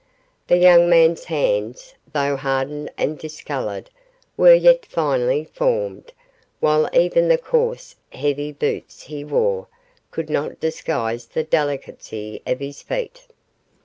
The young man's hands, though hardened and discoloured, were yet finely formed, while even the coarse, heavy boots he wore could not disguise the delicacy of his feet.